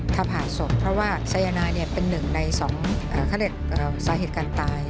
ถ้าผ่าศพเพราะว่าไซยาณายเป็นหนึ่งในสามาสาเหตุการณ์ตาย